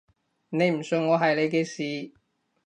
你唔信我係你嘅事